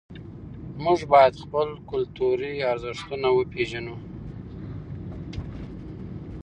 موږ باید خپل کلتوري ارزښتونه وپېژنو.